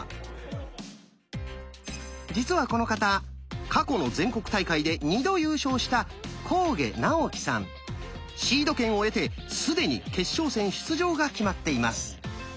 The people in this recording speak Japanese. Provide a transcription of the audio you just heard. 実はこの方過去の全国大会で２度優勝したシード権を得て既に決勝戦出場が決まっています。